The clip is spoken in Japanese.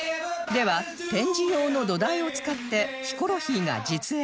では展示用の土台を使ってヒコロヒーが実演